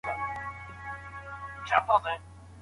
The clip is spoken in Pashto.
آیا د وچو مېوو بسته بندي په کور دننه ترسره کېږي؟.